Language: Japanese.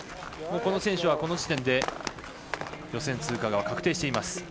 この選手はこの時点で予選通過が確定しています。